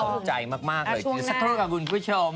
น่าสงใจมากเลยสัตว์โทษกับคุณผู้ชม